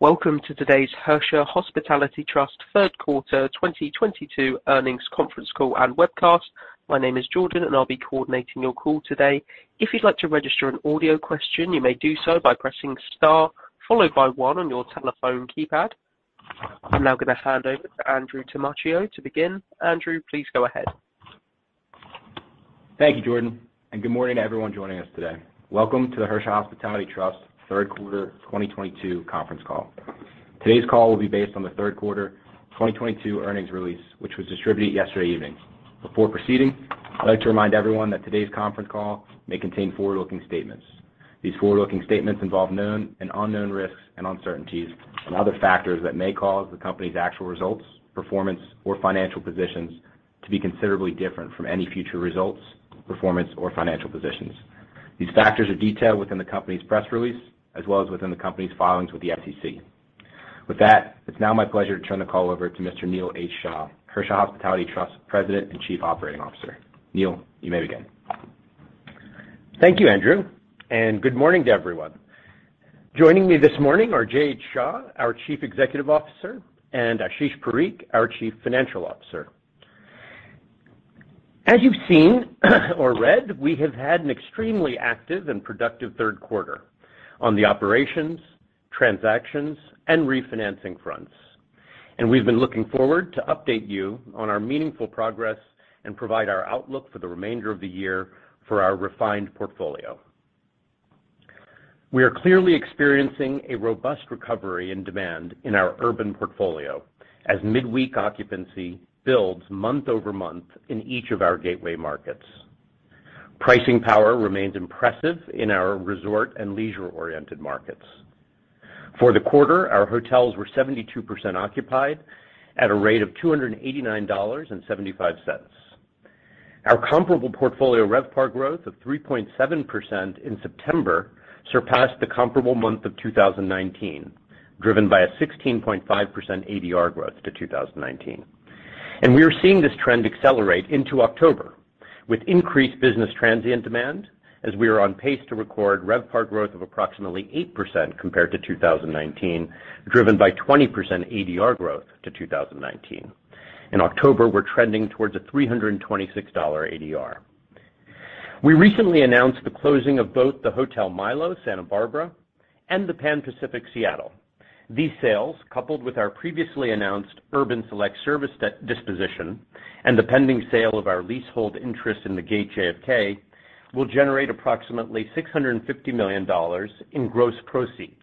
Welcome to today's Hersha Hospitality Trust third quarter 2022 earnings conference call and webcast. My name is Jordan, and I'll be coordinating your call today. If you'd like to register an audio question, you may do so by pressing star followed by one on your telephone keypad. I'm now gonna hand over to Andrew Tamaccio to begin. Andrew, please go ahead. Thank you, Jordan, and good morning to everyone joining us today. Welcome to the Hersha Hospitality Trust third quarter 2022 conference call. Today's call will be based on the third quarter 2022 earnings release, which was distributed yesterday evening. Before proceeding, I'd like to remind everyone that today's conference call may contain forward-looking statements. These forward-looking statements involve known and unknown risks and uncertainties and other factors that may cause the company's actual results, performance, or financial positions to be considerably different from any future results, performance, or financial positions. These factors are detailed within the company's press release, as well as within the company's filings with the SEC. With that, it's now my pleasure to turn the call over to Mr. Neil H. Shah, Hersha Hospitality Trust President and Chief Operating Officer. Neil, you may begin. Thank you, Andrew, and good morning to everyone. Joining me this morning are Jay H. Shah, our Chief Executive Officer, and Ashish Parikh, our Chief Financial Officer. As you've seen or read, we have had an extremely active and productive third quarter on the operations, transactions, and refinancing fronts. We've been looking forward to update you on our meaningful progress and provide our outlook for the remainder of the year for our refined portfolio. We are clearly experiencing a robust recovery and demand in our urban portfolio as midweek occupancy builds month-over-month in each of our gateway markets. Pricing power remains impressive in our resort and leisure-oriented markets. For the quarter, our hotels were 72% occupied at a rate of $289.75. Our comparable portfolio RevPAR growth of 3.7% in September surpassed the comparable month of 2019, driven by a 16.5% ADR growth to 2019. We are seeing this trend accelerate into October with increased business transient demand, as we are on pace to record RevPAR growth of approximately 8% compared to 2019, driven by 20% ADR growth to 2019. In October, we're trending towards a $326 ADR. We recently announced the closing of both the Hotel Milo Santa Barbara and the Pan Pacific Seattle. These sales, coupled with our previously announced Urban Select Service disposition and the pending sale of our leasehold interest in The Gate Hotel JFK, will generate approximately $650 million in gross proceeds,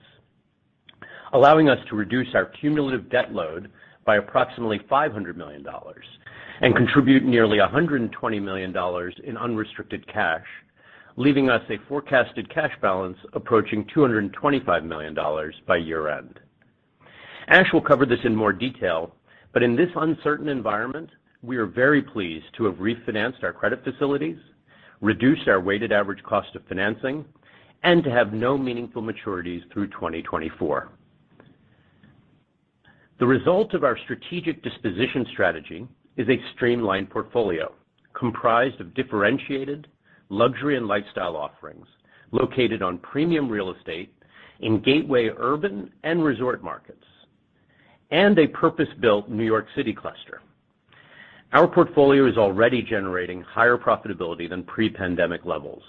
allowing us to reduce our cumulative debt load by approximately $500 million and contribute nearly $120 million in unrestricted cash, leaving us a forecasted cash balance approaching $225 million by year-end. Ash will cover this in more detail, but in this uncertain environment, we are very pleased to have refinanced our credit facilities, reduced our weighted average cost of financing, and to have no meaningful maturities through 2024. The result of our strategic disposition strategy is a streamlined portfolio comprised of differentiated luxury and lifestyle offerings located on premium real estate in gateway, urban, and resort markets, and a purpose-built New York City cluster. Our portfolio is already generating higher profitability than pre-pandemic levels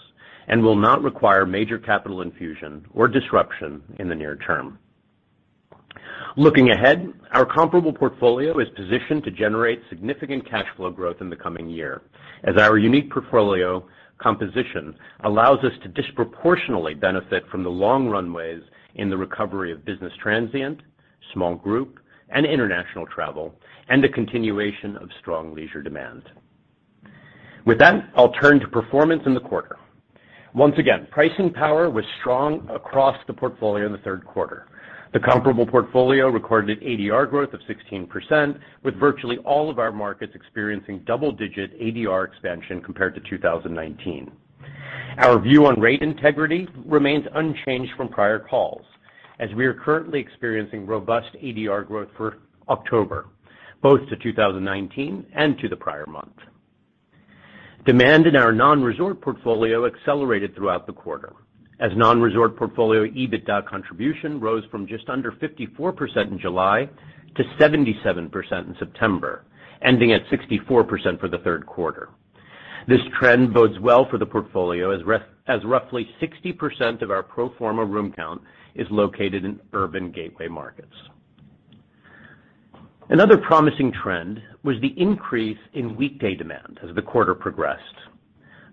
and will not require major capital infusion or disruption in the near term. Looking ahead, our comparable portfolio is positioned to generate significant cash flow growth in the coming year as our unique portfolio composition allows us to disproportionately benefit from the long runways in the recovery of business transient, small group, and international travel, and the continuation of strong leisure demand. With that, I'll turn to performance in the quarter. Once again, pricing power was strong across the portfolio in the third quarter. The comparable portfolio recorded ADR growth of 16%, with virtually all of our markets experiencing double-digit ADR expansion compared to 2019. Our view on rate integrity remains unchanged from prior calls as we are currently experiencing robust ADR growth for October, both to 2019 and to the prior month. Demand in our non-resort portfolio accelerated throughout the quarter as non-resort portfolio EBITDA contribution rose from just under 54% in July to 77% in September, ending at 64% for the third quarter. This trend bodes well for the portfolio as roughly 60% of our pro forma room count is located in urban gateway markets. Another promising trend was the increase in weekday demand as the quarter progressed.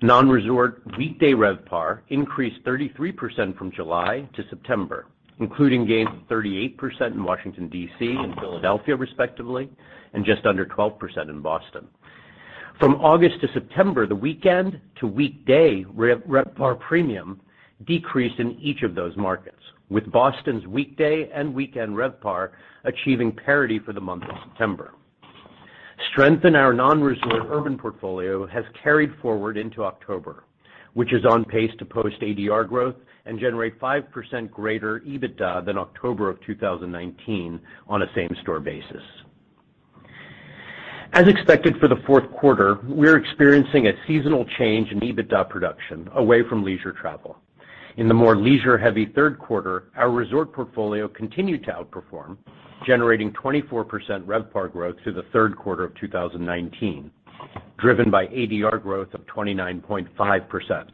Non-resort weekday RevPAR increased 33% from July to September, including gains of 38% in Washington, D.C., and Philadelphia, respectively, and just under 12% in Boston. From August to September, the weekend to weekday RevPAR premium decreased in each of those markets, with Boston's weekday and weekend RevPAR achieving parity for the month of September. Strength in our non-resort urban portfolio has carried forward into October, which is on pace to post ADR growth and generate 5% greater EBITDA than October of 2019 on a same-store basis. As expected for the fourth quarter, we're experiencing a seasonal change in EBITDA production away from leisure travel. In the more leisure-heavy third quarter, our resort portfolio continued to outperform, generating 24% RevPAR growth through the third quarter of 2019, driven by ADR growth of 29.5%.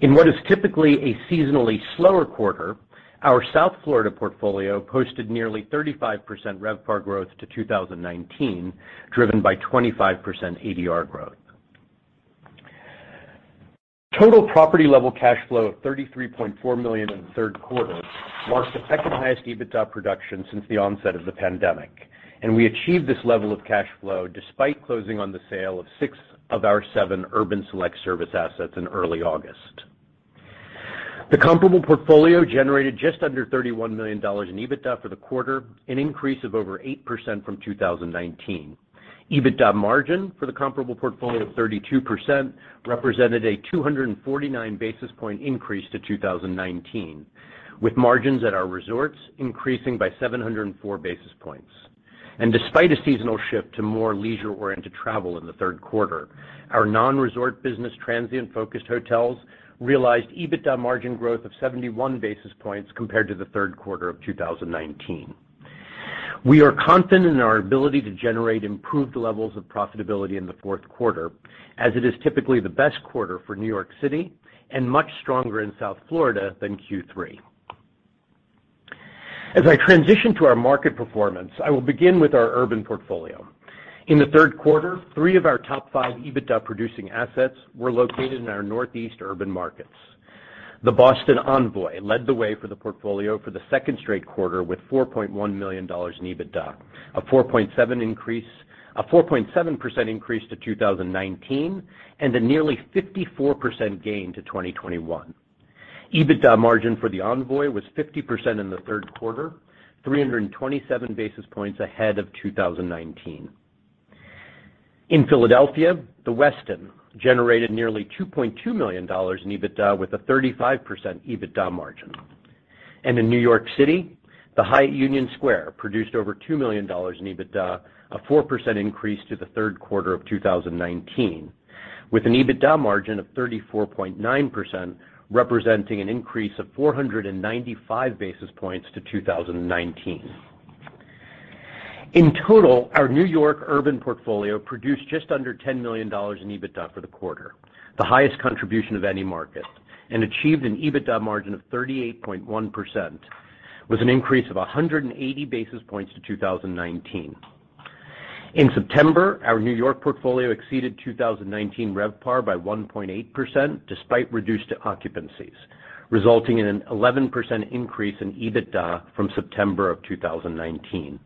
In what is typically a seasonally slower quarter, our South Florida portfolio posted nearly 35% RevPAR growth to 2019, driven by 25% ADR growth. Total property-level cash flow of $33.4 million in the third quarter marked the second-highest EBITDA production since the onset of the pandemic, and we achieved this level of cash flow despite closing on the sale of six of our seven Urban Select Service assets in early August. The comparable portfolio generated just under $31 million in EBITDA for the quarter, an increase of over 8% from 2019. EBITDA margin for the comparable portfolio of 32% represented a 249 basis point increase to 2019, with margins at our resorts increasing by 704 basis points. Despite a seasonal shift to more leisure-oriented travel in the third quarter, our non-resort business transient-focused hotels realized EBITDA margin growth of 71 basis points compared to the third quarter of 2019. We are confident in our ability to generate improved levels of profitability in the fourth quarter, as it is typically the best quarter for New York City and much stronger in South Florida than Q3. As I transition to our market performance, I will begin with our urban portfolio. In the third quarter, three of our top five EBITDA-producing assets were located in our Northeast urban markets. The Boston Envoy led the way for the portfolio for the second straight quarter with $4.1 million in EBITDA, a 4.7% increase to 2019, and a nearly 54% gain to 2021. EBITDA margin for the Envoy was 50% in the third quarter, 327 basis points ahead of 2019. In Philadelphia, The Westin Philadelphia generated nearly $2.2 million in EBITDA with a 35% EBITDA margin. In New York City, the Hyatt Union Square New York produced over $2 million in EBITDA, a 4% increase to the third quarter of 2019, with an EBITDA margin of 34.9%, representing an increase of 495 basis points to 2019. In total, our New York urban portfolio produced just under $10 million in EBITDA for the quarter, the highest contribution of any market, and achieved an EBITDA margin of 38.1%, with an increase of 180 basis points to 2019. In September, our New York portfolio exceeded 2019 RevPAR by 1.8% despite reduced occupancies, resulting in an 11% increase in EBITDA from September of 2019.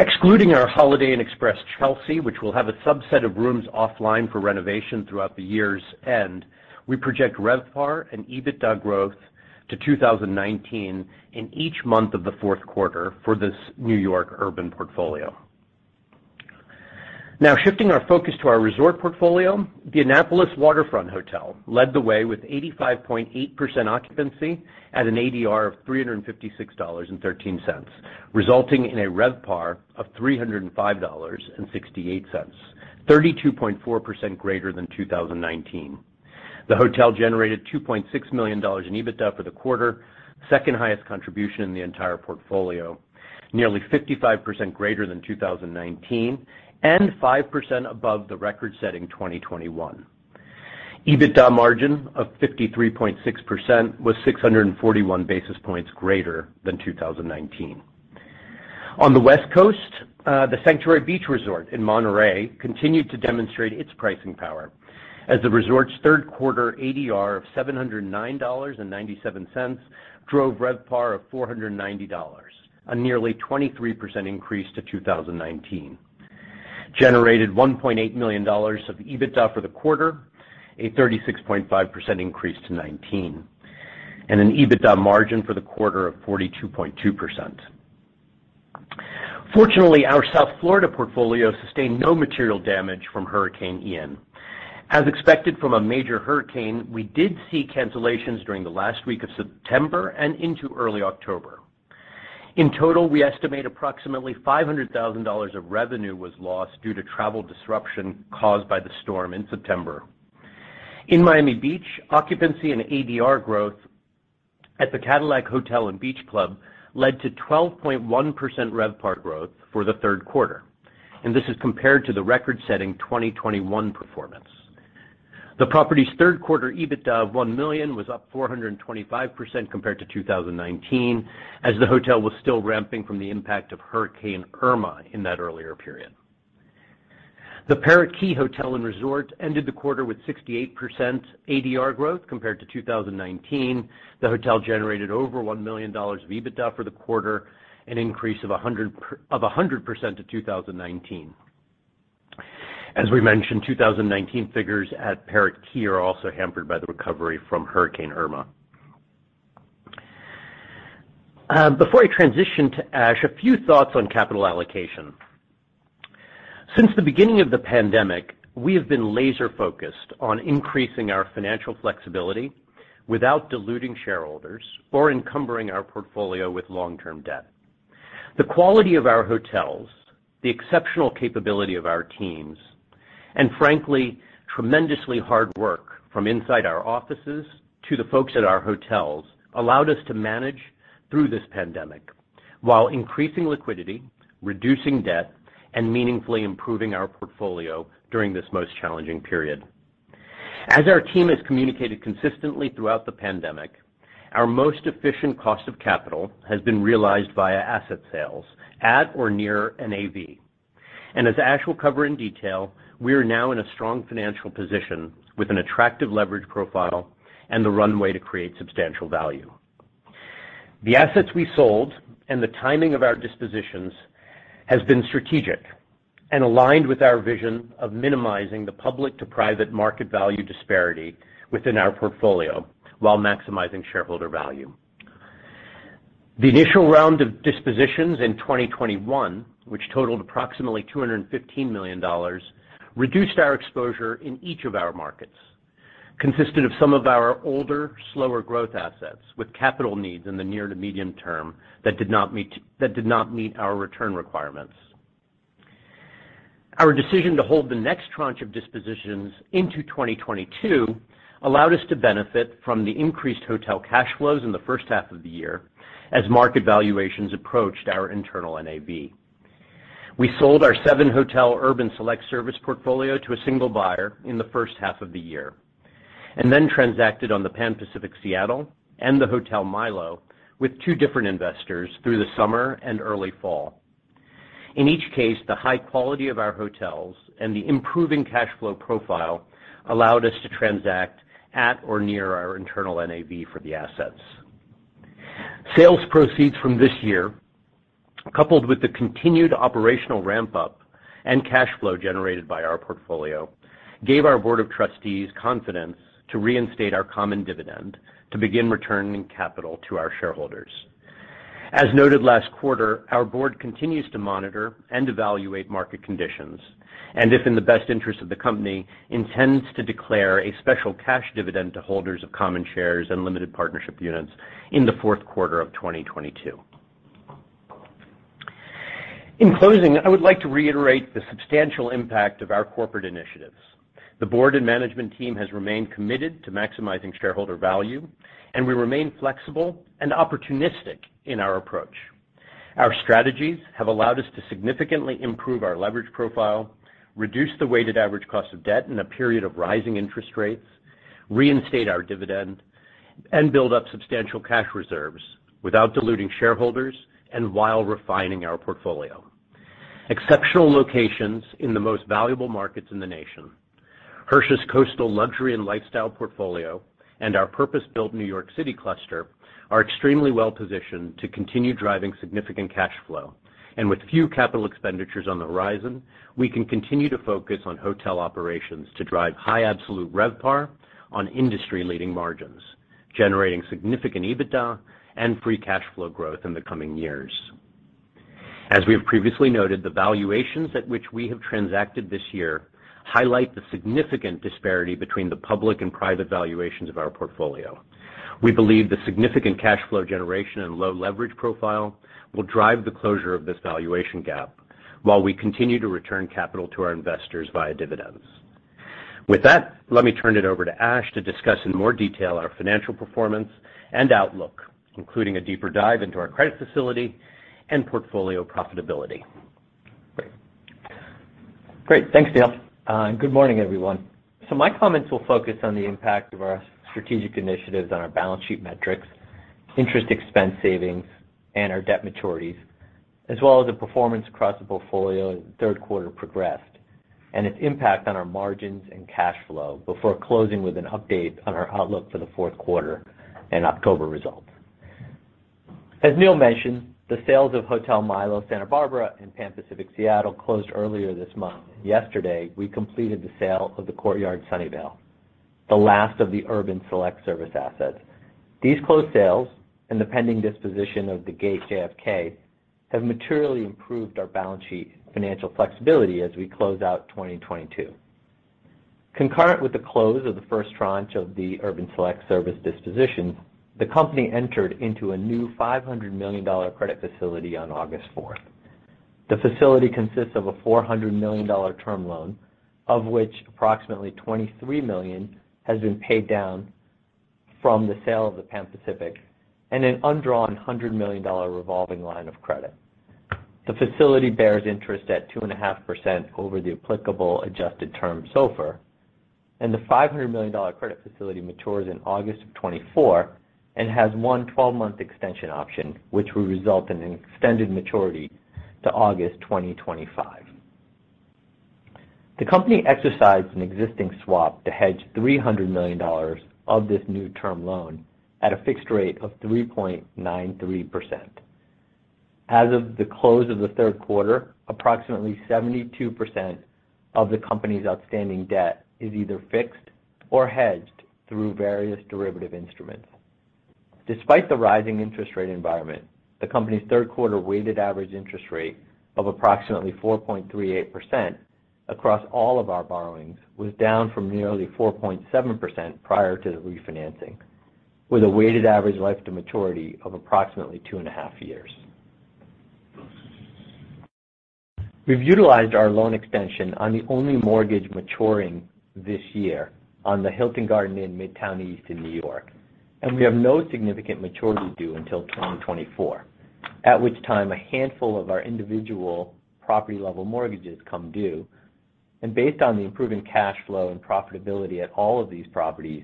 Excluding our Holiday Inn Express NYC Chelsea, which will have a subset of rooms offline for renovation throughout the year's end, we project RevPAR and EBITDA growth to 2019 in each month of the fourth quarter for this New York urban portfolio. Now shifting our focus to our resort portfolio, the Annapolis Waterfront Hotel led the way with 85.8% occupancy at an ADR of $356.13, resulting in a RevPAR of $305.68, 32.4% greater than 2019. The hotel generated $2.6 million in EBITDA for the quarter, second highest contribution in the entire portfolio, nearly 55% greater than 2019 and 5% above the record-setting 2021. EBITDA margin of 53.6% was 641 basis points greater than 2019. On the West Coast, the Sanctuary Beach Resort in Monterey continued to demonstrate its pricing power as the resort's third quarter ADR of $709.97 drove RevPAR of $490, a nearly 23% increase to 2019. Generated $1.8 million of EBITDA for the quarter, a 36.5% increase to 2019, and an EBITDA margin for the quarter of 42.2%. Fortunately, our South Florida portfolio sustained no material damage from Hurricane Ian. As expected from a major hurricane, we did see cancellations during the last week of September and into early October. In total, we estimate approximately $500,000 of revenue was lost due to travel disruption caused by the storm in September. In Miami Beach, occupancy and ADR growth at the Cadillac Hotel and Beach Club led to 12.1% RevPAR growth for the third quarter, and this is compared to the record-setting 2021 performance. The property's third quarter EBITDA of $1 million was up 425% compared to 2019, as the hotel was still ramping from the impact of Hurricane Irma in that earlier period. The Parrot Key Hotel and Resort ended the quarter with 68% ADR growth compared to 2019. The hotel generated over $1 million of EBITDA for the quarter, an increase of 100% to 2019. As we mentioned, 2019 figures at Parrot Key are also hampered by the recovery from Hurricane Irma. Before I transition to Ash, a few thoughts on capital allocation. Since the beginning of the pandemic, we have been laser-focused on increasing our financial flexibility without diluting shareholders or encumbering our portfolio with long-term debt. The quality of our hotels, the exceptional capability of our teams, and frankly, tremendously hard work from inside our offices to the folks at our hotels, allowed us to manage through this pandemic while increasing liquidity, reducing debt, and meaningfully improving our portfolio during this most challenging period. As our team has communicated consistently throughout the pandemic, our most efficient cost of capital has been realized via asset sales at or near NAV. As Ash will cover in detail, we are now in a strong financial position with an attractive leverage profile and the runway to create substantial value. The assets we sold and the timing of our dispositions has been strategic and aligned with our vision of minimizing the public-to-private market value disparity within our portfolio while maximizing shareholder value. The initial round of dispositions in 2021, which totaled approximately $215 million, reduced our exposure in each of our markets, consisted of some of our older, slower growth assets with capital needs in the near to medium term that did not meet our return requirements. Our decision to hold the next tranche of dispositions into 2022 allowed us to benefit from the increased hotel cash flows in the first half of the year as market valuations approached our internal NAV. We sold our seven-hotel Urban Select Service portfolio to a single buyer in the first half of the year, and then transacted on the Pan Pacific Seattle and the Hotel Milo with two different investors through the summer and early fall. In each case, the high quality of our hotels and the improving cash flow profile allowed us to transact at or near our internal NAV for the assets. Sales proceeds from this year, coupled with the continued operational ramp-up and cash flow generated by our portfolio, gave our board of trustees confidence to reinstate our common dividend to begin returning capital to our shareholders. As noted last quarter, our board continues to monitor and evaluate market conditions, and if in the best interest of the company, intends to declare a special cash dividend to holders of common shares and limited partnership units in the fourth quarter of 2022. In closing, I would like to reiterate the substantial impact of our corporate initiatives. The board and management team has remained committed to maximizing shareholder value, and we remain flexible and opportunistic in our approach. Our strategies have allowed us to significantly improve our leverage profile, reduce the weighted average cost of debt in a period of rising interest rates, reinstate our dividend, and build up substantial cash reserves without diluting shareholders and while refining our portfolio. Exceptional locations in the most valuable markets in the nation, Hersha's coastal luxury and lifestyle portfolio, and our purpose-built New York City cluster are extremely well positioned to continue driving significant cash flow. With few capital expenditures on the horizon, we can continue to focus on hotel operations to drive high absolute RevPAR on industry-leading margins, generating significant EBITDA and free cash flow growth in the coming years. As we have previously noted, the valuations at which we have transacted this year highlight the significant disparity between the public and private valuations of our portfolio. We believe the significant cash flow generation and low leverage profile will drive the closure of this valuation gap while we continue to return capital to our investors via dividends. With that, let me turn it over to Ash to discuss in more detail our financial performance and outlook, including a deeper dive into our credit facility and portfolio profitability. Great. Thanks, Neil. Good morning, everyone. My comments will focus on the impact of our strategic initiatives on our balance sheet metrics, interest expense savings, and our debt maturities, as well as the performance across the portfolio as the third quarter progressed and its impact on our margins and cash flow before closing with an update on our outlook for the fourth quarter and October results. As Neil mentioned, the sales of Hotel Milo Santa Barbara and Pan Pacific Seattle closed earlier this month. Yesterday, we completed the sale of the Courtyard Sunnyvale, the last of the Urban Select Service assets. These closed sales and the pending disposition of The Gate Hotel JFK have materially improved our balance sheet financial flexibility as we close out 2022. Concurrent with the close of the first tranche of the Urban Select Service disposition, the company entered into a new $500 million credit facility on August 4. The facility consists of a $400 million term loan, of which approximately $23 million has been paid down from the sale of the Pan Pacific and an undrawn $100 million revolving line of credit. The facility bears interest at 2.5% over the applicable adjusted term SOFR, and the $500 million credit facility matures in August 2024 and has one 12-month extension option, which will result in an extended maturity to August 2025. The company exercised an existing swap to hedge $300 million of this new term loan at a fixed rate of 3.93%. As of the close of the third quarter, approximately 72% of the company's outstanding debt is either fixed or hedged through various derivative instruments. Despite the rising interest rate environment, the company's third quarter weighted average interest rate of approximately 4.38% across all of our borrowings was down from nearly 4.7% prior to the refinancing, with a weighted average life to maturity of approximately 2.5 years. We've utilized our loan extension on the only mortgage maturing this year on the Hilton Garden Inn New York/Midtown East, and we have no significant maturities due until 2024, at which time a handful of our individual property-level mortgages come due. Based on the improving cash flow and profitability at all of these properties,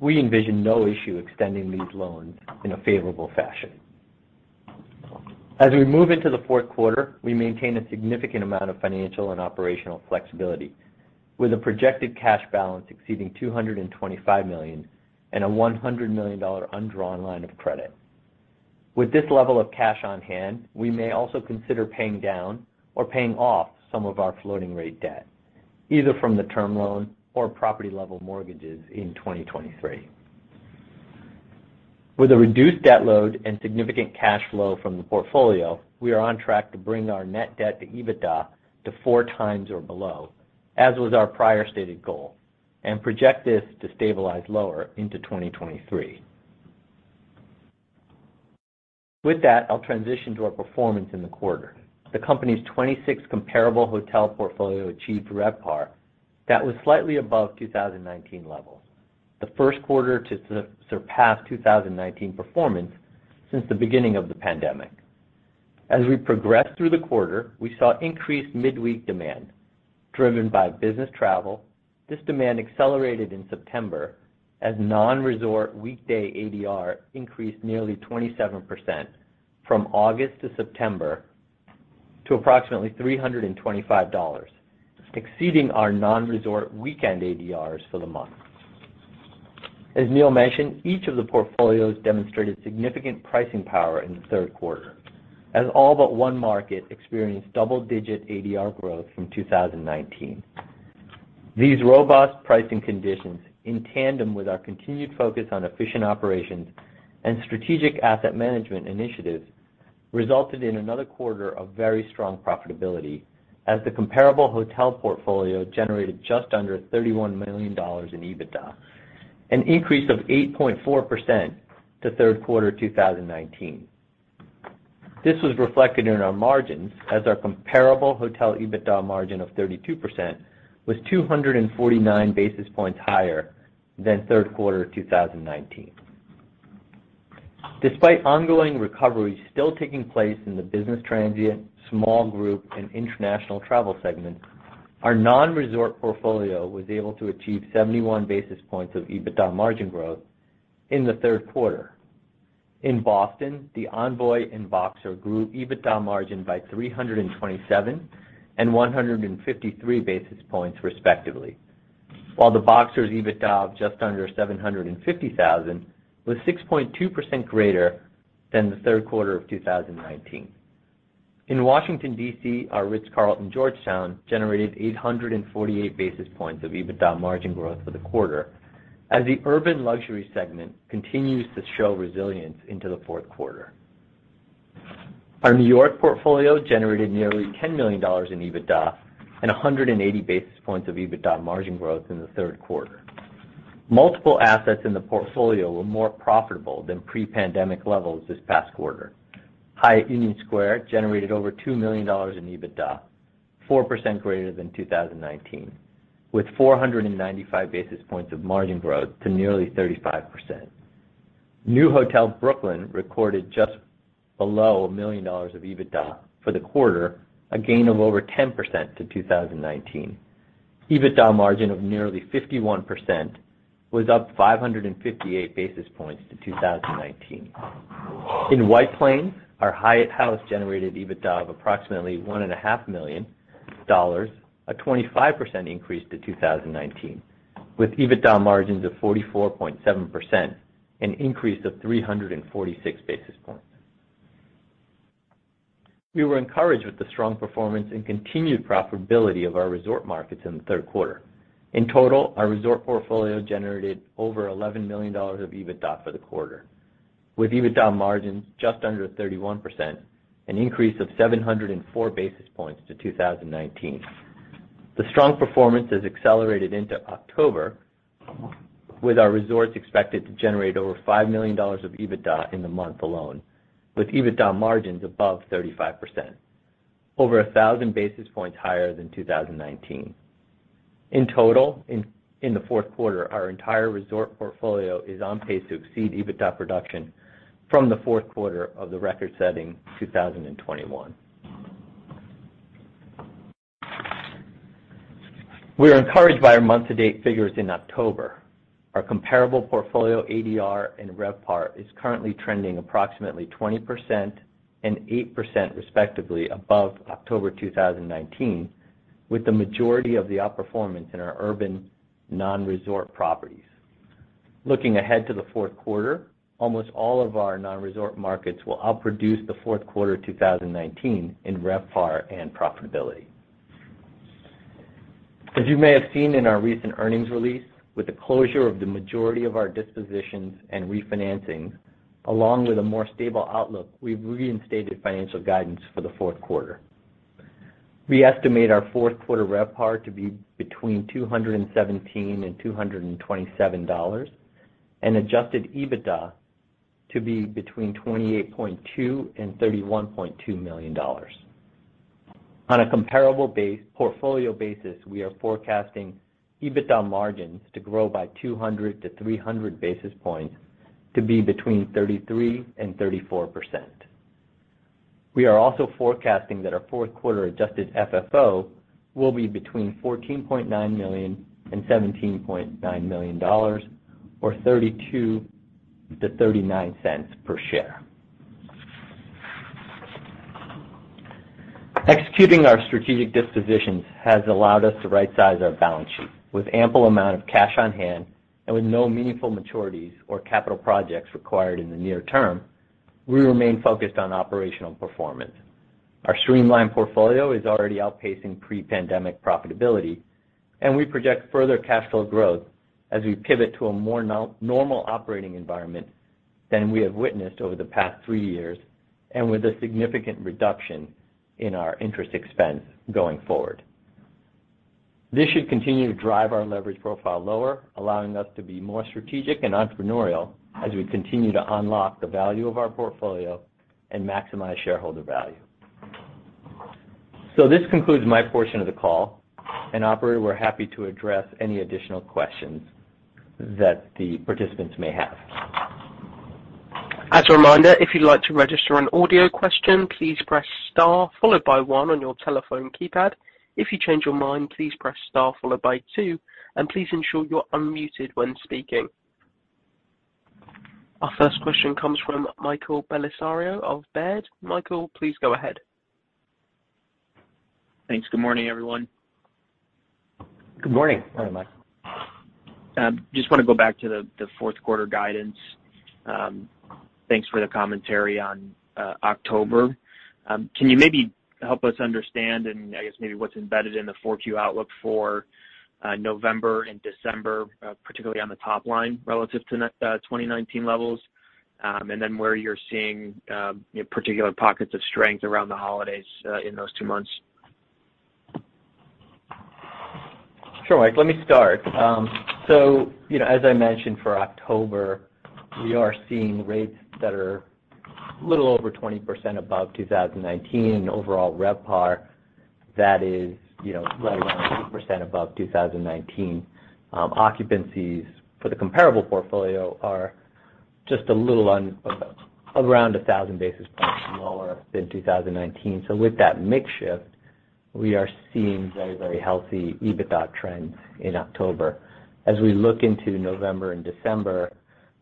we envision no issue extending these loans in a favorable fashion. As we move into the fourth quarter, we maintain a significant amount of financial and operational flexibility with a projected cash balance exceeding $225 million and a $100 million undrawn line of credit. With this level of cash on hand, we may also consider paying down or paying off some of our floating rate debt, either from the term loan or property-level mortgages in 2023. With a reduced debt load and significant cash flow from the portfolio, we are on track to bring our net debt to EBITDA to 4x or below, as was our prior stated goal, and project this to stabilize lower into 2023. With that, I'll transition to our performance in the quarter. The company's 26 comparable hotel portfolio achieved RevPAR that was slightly above 2019 levels, the first quarter to surpass 2019 performance since the beginning of the pandemic. As we progressed through the quarter, we saw increased midweek demand driven by business travel. This demand accelerated in September as non-resort weekday ADR increased nearly 27% from August to September to approximately $325, exceeding our non-resort weekend ADRs for the month. As Neil mentioned, each of the portfolios demonstrated significant pricing power in the third quarter as all but one market experienced double-digit ADR growth from 2019. These robust pricing conditions, in tandem with our continued focus on efficient operations and strategic asset management initiatives, resulted in another quarter of very strong profitability as the comparable hotel portfolio generated just under $31 million in EBITDA, an increase of 8.4% to third quarter 2019. This was reflected in our margins as our comparable hotel EBITDA margin of 32% was 249 basis points higher than third quarter 2019. Despite ongoing recovery still taking place in the business transient, small group, and international travel segments, our non-resort portfolio was able to achieve 71 basis points of EBITDA margin growth in the third quarter. In Boston, The Envoy and The Boxer grew EBITDA margin by 327 and 153 basis points respectively, while The Boxer's EBITDA of just under $750,000 was 6.2% greater than the third quarter of 2019. In Washington, D.C., our Ritz-Carlton Georgetown generated 848 basis points of EBITDA margin growth for the quarter as the urban luxury segment continues to show resilience into the fourth quarter. Our New York portfolio generated nearly $10 million in EBITDA and 180 basis points of EBITDA margin growth in the third quarter. Multiple assets in the portfolio were more profitable than pre-pandemic levels this past quarter. Hyatt Union Square generated over $2 million in EBITDA, 4% greater than 2019, with 495 basis points of margin growth to nearly 35%. NU Hotel Brooklyn recorded just below $1 million of EBITDA for the quarter, a gain of over 10% to 2019. EBITDA margin of nearly 51% was up 558 basis points to 2019. In White Plains, our Hyatt House generated EBITDA of approximately $1.5 million, a 25% increase to 2019, with EBITDA margins of 44.7%, an increase of 346 basis points. We were encouraged with the strong performance and continued profitability of our resort markets in the third quarter. In total, our resort portfolio generated over $11 million of EBITDA for the quarter, with EBITDA margins just under 31%, an increase of 704 basis points to 2019. The strong performance has accelerated into October, with our resorts expected to generate over $5 million of EBITDA in the month alone, with EBITDA margins above 35%, over 1,000 basis points higher than 2019. In total, the fourth quarter, our entire resort portfolio is on pace to exceed EBITDA production from the fourth quarter of the record-setting 2021. We are encouraged by our month-to-date figures in October. Our comparable portfolio ADR and RevPAR is currently trending approximately 20% and 8% respectively above October 2019, with the majority of the outperformance in our urban non-resort properties. Looking ahead to the fourth quarter, almost all of our non-resort markets will outproduce the fourth quarter 2019 in RevPAR and profitability. As you may have seen in our recent earnings release, with the closure of the majority of our dispositions and refinancings, along with a more stable outlook, we've reinstated financial guidance for the fourth quarter. We estimate our fourth quarter RevPAR to be between $217 and $227, and adjusted EBITDA to be between $28.2 million and $31.2 million. On a comparable base portfolio basis, we are forecasting EBITDA margins to grow by 200-300 basis points to be between 33% and 34%. We are also forecasting that our fourth quarter adjusted FFO will be between $14.9 million and $17.9 million or $0.32-$0.39 per share. Executing our strategic dispositions has allowed us to rightsize our balance sheet. With ample amount of cash on hand and with no meaningful maturities or capital projects required in the near term, we remain focused on operational performance. Our streamlined portfolio is already outpacing pre-pandemic profitability, and we project further cash flow growth as we pivot to a more near-normal operating environment than we have witnessed over the past three years and with a significant reduction in our interest expense going forward. This should continue to drive our leverage profile lower, allowing us to be more strategic and entrepreneurial as we continue to unlock the value of our portfolio and maximize shareholder value. This concludes my portion of the call. Operator, we're happy to address any additional questions that the participants may have. As a reminder, if you'd like to register an audio question, please press star followed by one on your telephone keypad. If you change your mind, please press star followed by two, and please ensure you're unmuted when speaking. Our first question comes from Michael Bellisario of Baird. Michael, please go ahead. Thanks. Good morning, everyone. Good morning. Morning, Mike. Just wanna go back to the fourth quarter guidance. Thanks for the commentary on October. Can you maybe help us understand and I guess maybe what's embedded in the 4Q outlook for November and December, particularly on the top line relative to 2019 levels, and then where you're seeing particular pockets of strength around the holidays in those two months? Sure, Mike. Let me start. So, you know, as I mentioned for October, we are seeing rates that are a little over 20% above 2019. Overall RevPAR, that is, you know, right around 8% above 2019. Occupancies for the comparable portfolio are just a little around 1,000 basis points lower than 2019. With that mix shift, we are seeing very, very healthy EBITDA trends in October. As we look into November and December,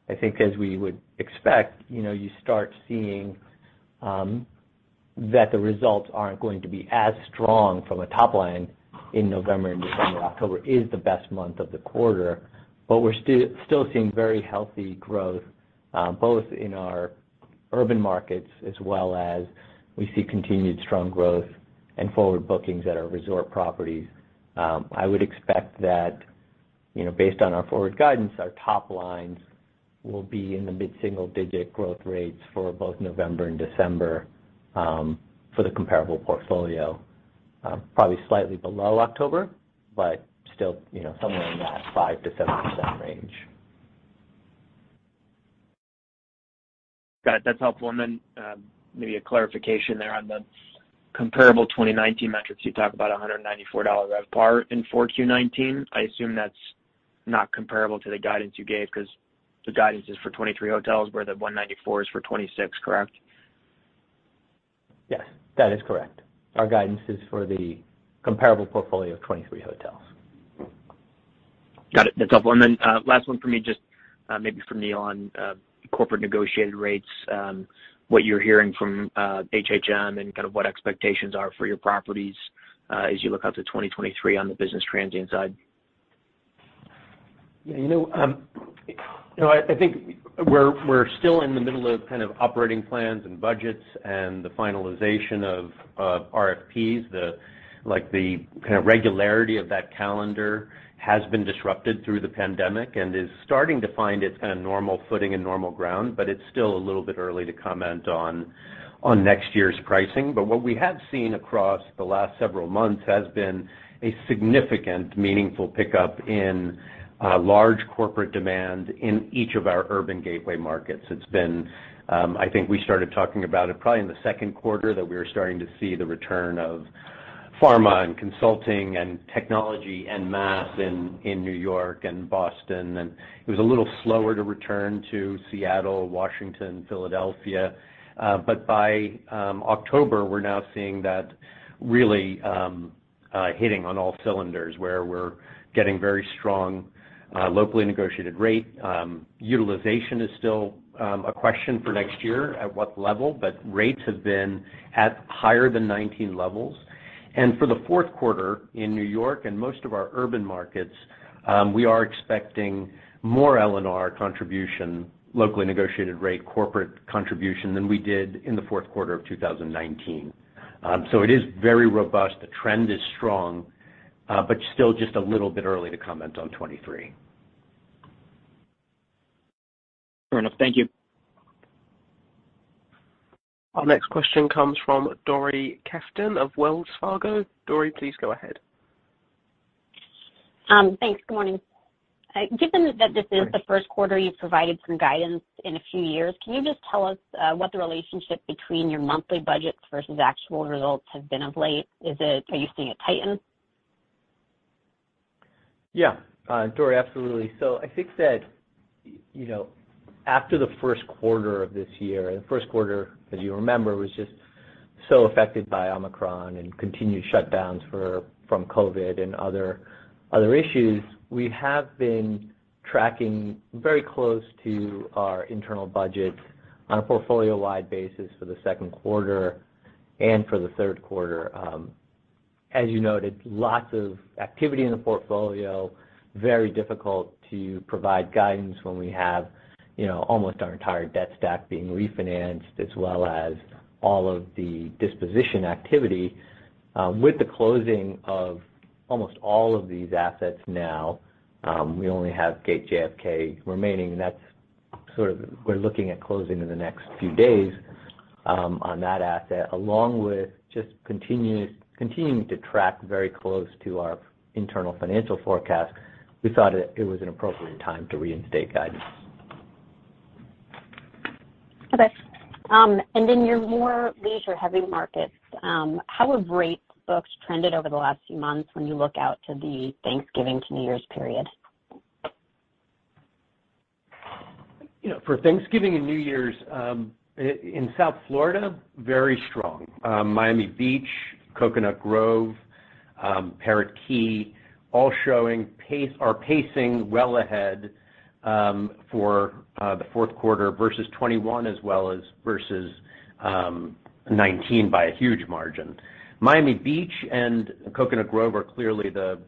I think as we would expect, you know, you start seeing that the results aren't going to be as strong from a top line in November and December. October is the best month of the quarter. We're still seeing very healthy growth both in our urban markets as well as we see continued strong growth and forward bookings at our resort properties. I would expect that, you know, based on our forward guidance, our top lines will be in the mid-single digit growth rates for both November and December for the comparable portfolio, probably slightly below October, but still, you know, somewhere in that 5%-7% range. Got it. That's helpful. Maybe a clarification there. On the comparable 2019 metrics, you talk about a $194 RevPAR in 4Q 2019. I assume that's not comparable to the guidance you gave because the guidance is for 2023 hotels where the 194 is for 2026, correct? Yes, that is correct. Our guidance is for the comparable portfolio of 23 hotels. Got it. That's helpful. Last one for me, just maybe for Neil on corporate negotiated rates, what you're hearing from HHM and kind of what expectations are for your properties as you look out to 2023 on the business transient side. You know, I think we're still in the middle of kind of operating plans and budgets and the finalization of RFPs. Like, the kind of regularity of that calendar has been disrupted through the pandemic and is starting to find its kind of normal footing and normal ground, but it's still a little bit early to comment on next year's pricing. What we have seen across the last several months has been a significant, meaningful pickup in large corporate demand in each of our urban gateway markets. It's been. I think we started talking about it probably in the second quarter that we were starting to see the return of pharma and consulting and technology en masse in New York and Boston. It was a little slower to return to Seattle, Washington, Philadelphia. By October, we're now seeing that really hitting on all cylinders, where we're getting very strong locally negotiated rate. Utilization is still a question for next year at what level, but rates have been at higher than 19 levels for the fourth quarter in New York and most of our urban markets. We are expecting more LNR contribution, locally negotiated rate corporate contribution than we did in the fourth quarter of 2019. It is very robust. The trend is strong, but still just a little bit early to comment on 2023. Fair enough. Thank you. Our next question comes from Dori Kesten of Wells Fargo. Dori, please go ahead. Thanks. Good morning. Given that this is the first quarter you've provided some guidance in a few years, can you just tell us what the relationship between your monthly budgets versus actual results have been of late? Are you seeing it tighten? Dori, absolutely. I think that, you know, after the first quarter of this year, the first quarter, as you remember, was just so affected by Omicron and continued shutdowns from COVID and other issues. We have been tracking very close to our internal budget on a portfolio-wide basis for the second quarter and for the third quarter. As you noted, lots of activity in the portfolio, very difficult to provide guidance when we have, you know, almost our entire debt stack being refinanced, as well as all of the disposition activity. With the closing of almost all of these assets now, we only have The Gate Hotel JFK remaining. That's sort of we're looking at closing in the next few days, on that asset, along with just continuing to track very close to our internal financial forecast. We thought it was an appropriate time to reinstate guidance. Okay. Your more leisure-heavy markets, how have rate books trended over the last few months when you look out to the Thanksgiving to New Year's period? You know, for Thanksgiving and New Year's, in South Florida, very strong. Miami Beach, Coconut Grove, Parrot Key, all are pacing well ahead for the fourth quarter versus 2021 as well as versus 2019 by a huge margin. Miami Beach and Coconut Grove are clearly the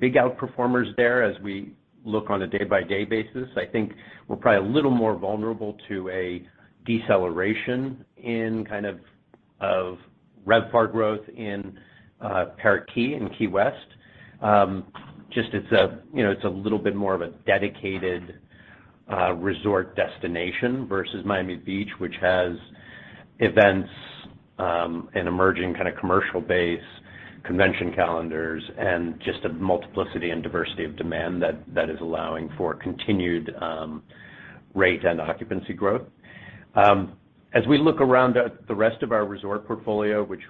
big outperformers there as we look on a day-by-day basis. I think we're probably a little more vulnerable to a deceleration in kind of RevPAR growth in Parrot Key in Key West. Just it's a little bit more of a dedicated resort destination versus Miami Beach, which has events and emerging kind of commercial base, convention calendars, and just a multiplicity and diversity of demand that is allowing for continued rate and occupancy growth. As we look around at the rest of our resort portfolio, which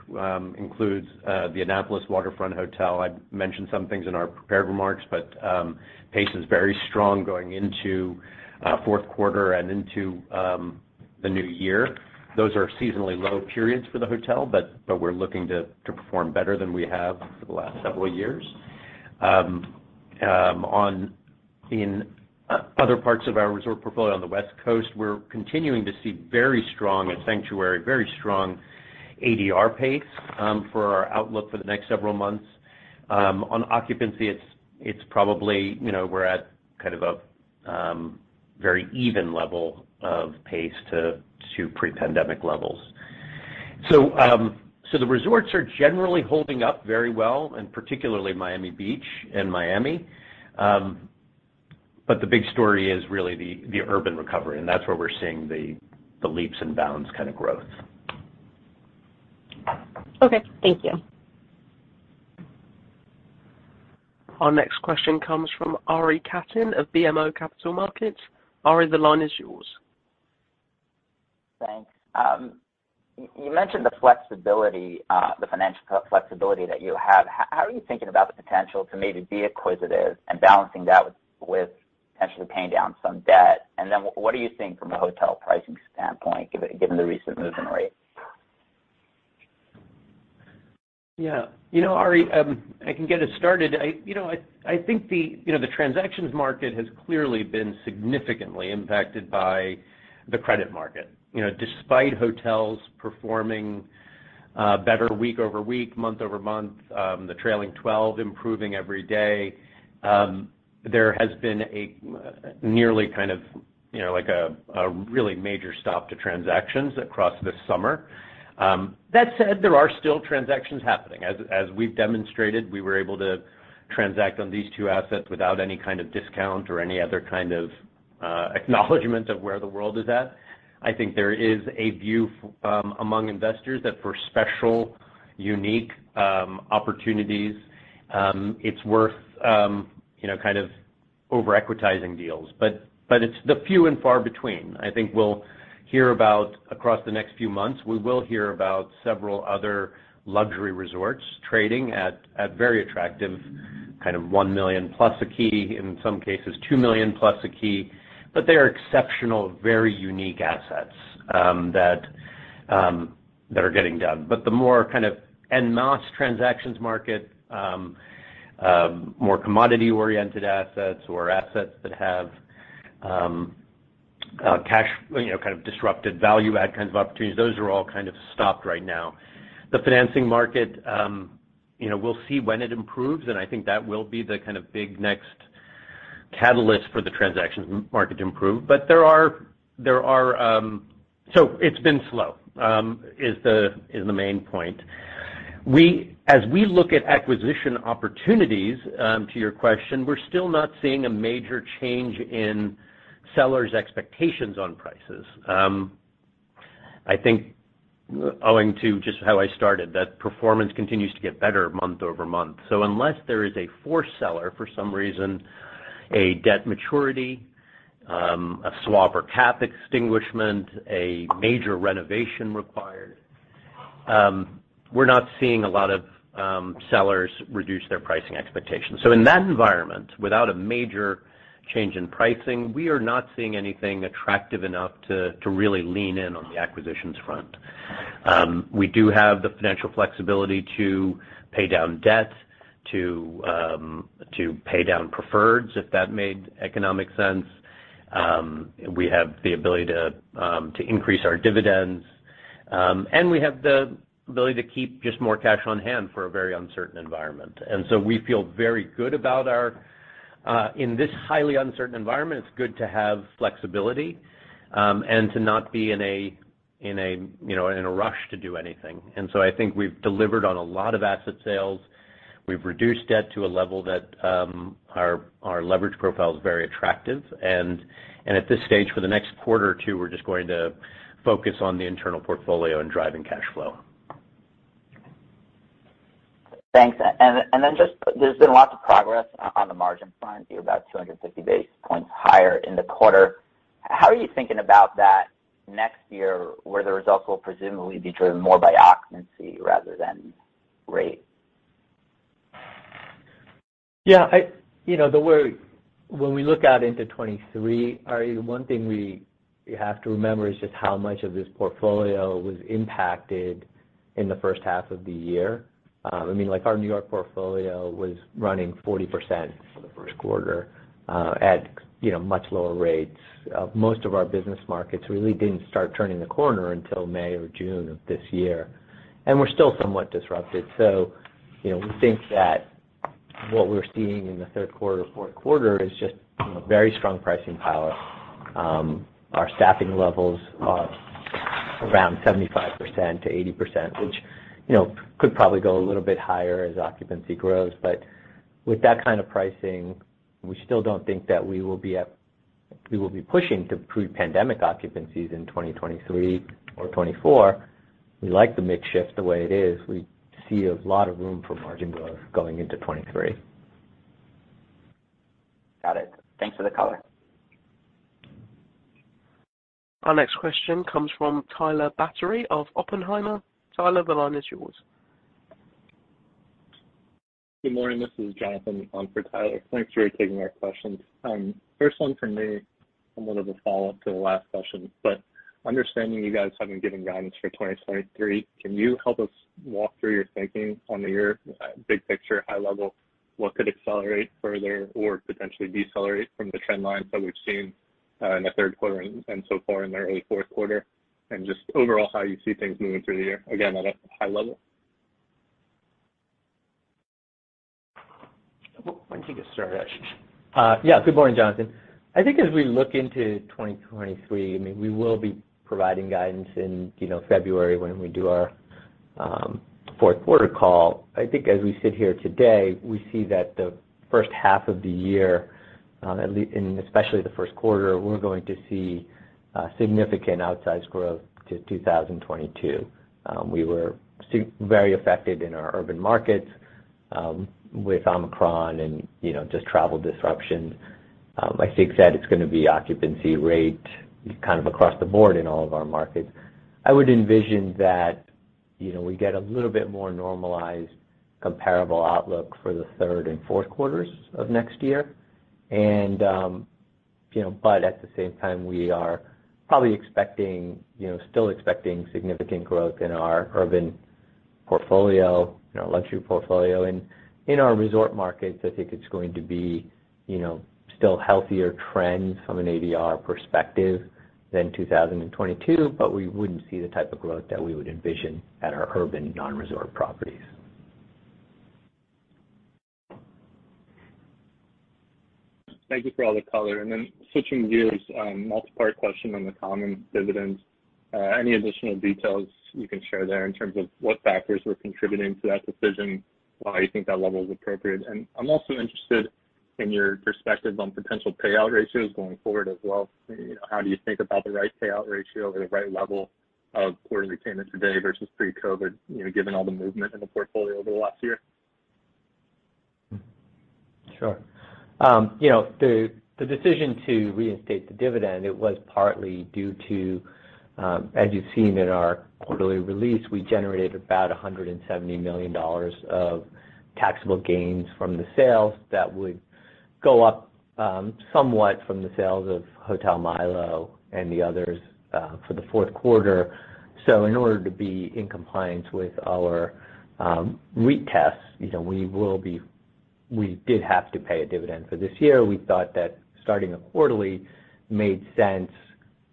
includes the Annapolis Waterfront Hotel. I mentioned some things in our prepared remarks, but pace is very strong going into fourth quarter and into the new year. Those are seasonally low periods for the hotel, but we're looking to perform better than we have for the last several years. In other parts of our resort portfolio on the West Coast, we're continuing to see very strong at The Sanctuary Beach Resort, very strong ADR pace for our outlook for the next several months. On occupancy, it's probably, you know, we're at kind of a very even level of pace to pre-pandemic levels. The resorts are generally holding up very well, and particularly Miami Beach and Miami. The big story is really the urban recovery, and that's where we're seeing the leaps and bounds kind of growth. Okay. Thank you. Our next question comes from Aryeh Klein of BMO Capital Markets. Ari, the line is yours. Thanks. You mentioned the flexibility, the financial flexibility that you have. How are you thinking about the potential to maybe be acquisitive and balancing that with potentially paying down some debt? What are you seeing from a hotel pricing standpoint, given the recent market rate? Yeah. You know, Aryeh, I can get us started. I think the transactions market has clearly been significantly impacted by the credit market. You know, despite hotels performing better week-over-week, month-over-month, the trailing twelve improving every day, there has been a nearly kind of, you know, like a really major stop to transactions across this summer. That said, there are still transactions happening. As we've demonstrated, we were able to transact on these two assets without any kind of discount or any other kind of acknowledgment of where the world is at. I think there is a view among investors that for special, unique opportunities, it's worth, you know, kind of over-equitizing deals. It's the few and far between. Across the next few months, we will hear about several other luxury resorts trading at very attractive kind of $1 million+ a key, in some cases $2 million+ a key. They are exceptional, very unique assets that are getting done. The more kind of en masse transactions market, more commodity-oriented assets or assets that have cash, you know, kind of disrupted value add kinds of opportunities. Those are all kind of stopped right now. The financing market, you know, we'll see when it improves, and I think that will be the kind of big next catalyst for the transactions market to improve. There are. It's been slow, is the main point. As we look at acquisition opportunities, to your question, we're still not seeing a major change in sellers' expectations on prices. I think owing to just how I started, that performance continues to get better month-over-month. Unless there is a forced seller for some reason, a debt maturity, a swap or cap extinguishment, a major renovation required, we're not seeing a lot of sellers reduce their pricing expectations. In that environment, without a major change in pricing, we are not seeing anything attractive enough to really lean in on the acquisitions front. We do have the financial flexibility to pay down debt, to pay down preferreds, if that made economic sense. We have the ability to increase our dividends, and we have the ability to keep just more cash on hand for a very uncertain environment. We feel very good. In this highly uncertain environment, it's good to have flexibility, and to not be in a, you know, rush to do anything. I think we've delivered on a lot of asset sales. We've reduced debt to a level that our leverage profile is very attractive. At this stage, for the next quarter or two, we're just going to focus on the internal portfolio and driving cash flow. Thanks. Then just there's been lots of progress on the margin front. You're about 250 basis points higher in the quarter. How are you thinking about that next year, where the results will presumably be driven more by occupancy rather than rate? You know, the worry, when we look out into 2023, Aryeh, one thing we have to remember is just how much of this portfolio was impacted in the first half of the year. I mean, like, our New York portfolio was running 40% for the first quarter at, you know, much lower rates. Most of our business markets really didn't start turning the corner until May or June of this year, and we're still somewhat disrupted. You know, we think that what we're seeing in the third quarter, fourth quarter is just, you know, very strong pricing power. Our staffing levels are around 75%-80%, which, you know, could probably go a little bit higher as occupancy grows. With that kind of pricing, we still don't think that we will be pushing to pre-pandemic occupancies in 2023 or 2024. We like the mix shift the way it is. We see a lot of room for margin growth going into 2023. Got it. Thanks for the color. Our next question comes from Tyler Batory of Oppenheimer. Tyler, the line is yours. Good morning. This is Jonathan on for Tyler Batory. Thanks for taking our questions. First one from me, somewhat of a follow-up to the last question, but understanding you guys haven't given guidance for 2023, can you help us walk through your thinking on your big picture, high level, what could accelerate further or potentially decelerate from the trend lines that we've seen in the third quarter and so far in the early fourth quarter? Just overall, how you see things moving through the year, again, at a high level. Why don't you get started, Ash? Yeah. Good morning, Jonathan. I think as we look into 2023, I mean, we will be providing guidance in, you know, February when we do our fourth quarter call. I think as we sit here today, we see that the first half of the year, and especially the first quarter, we're going to see significant outsized growth to 2022. We were very affected in our urban markets with Omicron and, you know, just travel disruption. Like Shah said, it's gonna be occupancy rate kind of across the board in all of our markets. I would envision that, you know, we get a little bit more normalized comparable outlook for the third and fourth quarters of next year. You know, but at the same time, we are probably expecting, you know, still expecting significant growth in our urban portfolio, in our luxury portfolio. In our resort markets, I think it's going to be, you know, still healthier trends from an ADR perspective than 2022, but we wouldn't see the type of growth that we would envision at our urban non-resort properties. Thank you for all the color. Switching gears, multi-part question on the common dividends. Any additional details you can share there in terms of what factors were contributing to that decision, why you think that level is appropriate? I'm also interested in your perspective on potential payout ratios going forward as well. You know, how do you think about the right payout ratio or the right level of quarterly payment today versus pre-COVID, you know, given all the movement in the portfolio over the last year? Sure. You know, the decision to reinstate the dividend, it was partly due to, as you've seen in our quarterly release, we generated about $170 million of taxable gains from the sales that would go up, somewhat from the sales of Hotel Milo and the others, for the fourth quarter. In order to be in compliance with our REIT tests, you know, we will be We did have to pay a dividend for this year. We thought that starting a quarterly made sense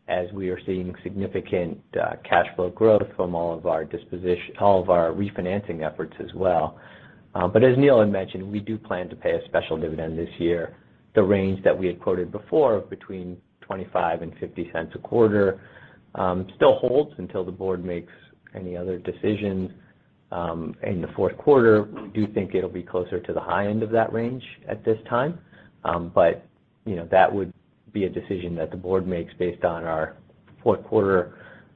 as we are seeing significant cash flow growth from all of our refinancing efforts as well. As Neil had mentioned, we do plan to pay a special dividend this year. The range that we had quoted before of between $0.25 and $0.50 a quarter still holds until the board makes any other decisions in the fourth quarter. We do think it'll be closer to the high end of that range at this time. You know, that would be a decision that the board makes based on our fourth quarter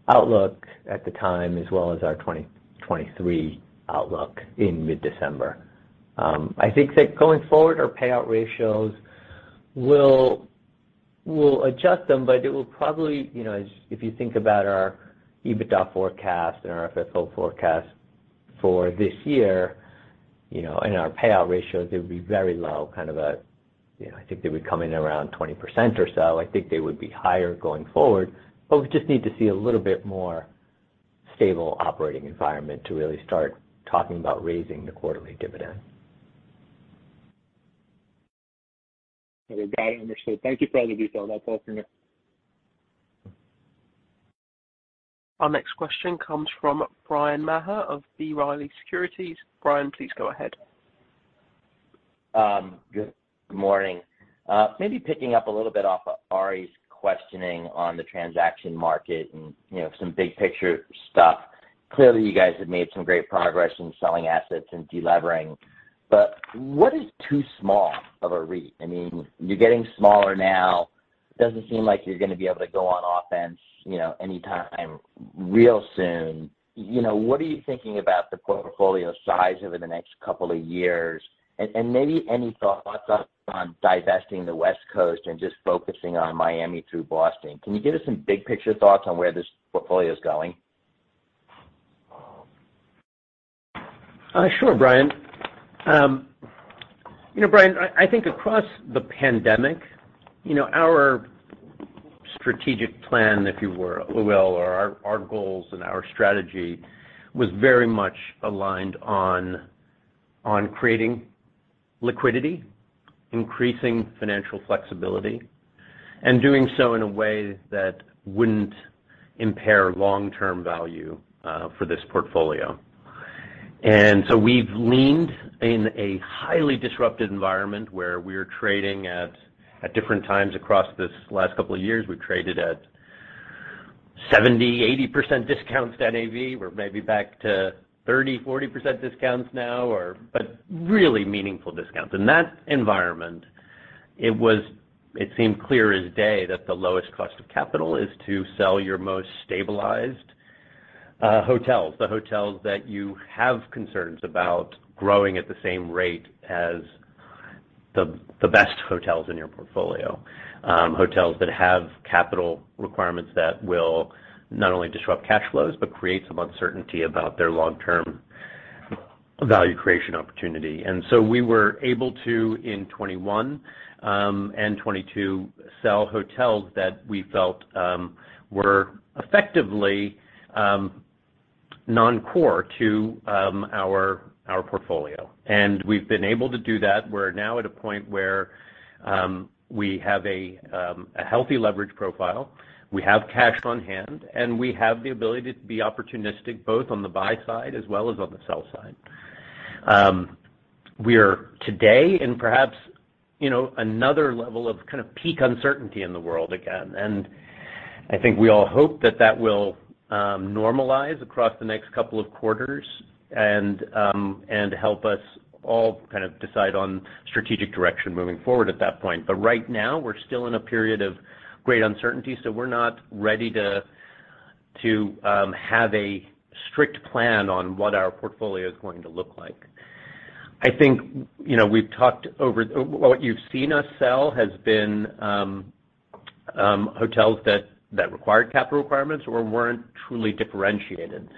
outlook at the time as well as our 2023 outlook in mid-December. I think that going forward, our payout ratios will adjust them, but it will probably, you know, if you think about our EBITDA forecast and our FFO forecast for this year, you know, and our payout ratios, they would be very low, kind of a, you know, I think they would come in around 20% or so. I think they would be higher going forward, but we just need to see a little bit more stable operating environment to really start talking about raising the quarterly dividend. Okay. Got it. Understood. Thank you for all the details. That's all for now. Our next question comes from Bryan Maher of B. Riley Securities. Brian, please go ahead. Good morning. Maybe picking up a little bit off of Aryeh's questioning on the transaction market and, you know, some big picture stuff. Clearly, you guys have made some great progress in selling assets and delevering. What is too small of a REIT? I mean, you're getting smaller now. It doesn't seem like you're gonna be able to go on offense, you know, anytime real soon. You know, what are you thinking about the portfolio size over the next couple of years? Maybe any thoughts on divesting the West Coast and just focusing on Miami through Boston. Can you give us some big picture thoughts on where this portfolio is going? Sure, Bryan. You know, Bryan, I think across the pandemic, you know, our strategic plan, if you will, or our goals and our strategy was very much aligned on creating liquidity, increasing financial flexibility, and doing so in a way that wouldn't impair long-term value for this portfolio. We've leaned in a highly disrupted environment where we're trading at different times across this last couple of years. We've traded at 70%, 80% discounts to NAV. We're maybe back to 30%, 40% discounts now. But really meaningful discounts. In that environment, it seemed clear as day that the lowest cost of capital is to sell your most stabilized hotels, the hotels that you have concerns about growing at the same rate as the best hotels in your portfolio. Hotels that have capital requirements that will not only disrupt cash flows, but create some uncertainty about their long-term value creation opportunity. We were able to, in 2021 and 2022, sell hotels that we felt were effectively non-core to our portfolio. We've been able to do that. We're now at a point where we have a healthy leverage profile. We have cash on hand, and we have the ability to be opportunistic, both on the buy side as well as on the sell side. We are today in perhaps, you know, another level of kind of peak uncertainty in the world again. I think we all hope that that will normalize across the next couple of quarters and help us all kind of decide on strategic direction moving forward at that point. Right now, we're still in a period of great uncertainty, so we're not ready to have a strict plan on what our portfolio is going to look like. I think, you know, what you've seen us sell has been hotels that required capital requirements or weren't truly differentiated.